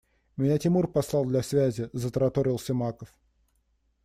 – Меня Тимур послал для связи, – затараторил Симаков.